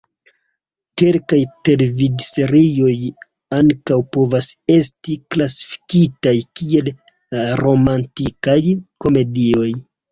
Kelkaj televidserioj ankaŭ povas esti klasifikitaj kiel romantikaj komedioj.